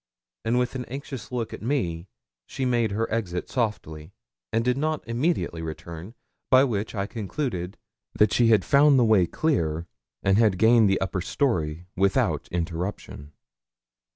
And with an anxious look at me, she made her exit, softly, and did not immediately return, by which I concluded that she had found the way clear, and had gained the upper story without interruption.